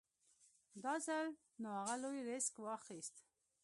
دا ځل نو اغه لوی ريسک واخېست.